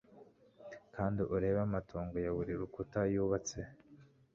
Kandi urebe amatongo ya buri rukutaYubatse